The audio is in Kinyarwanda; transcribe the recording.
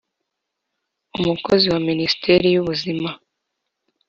umukozi wa minisiteri y’ubuzima